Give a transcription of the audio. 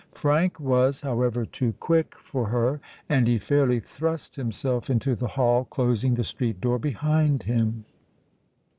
Frank was, however, too quick for her: and he fairly thrust himself into the hall, closing the street door behind him.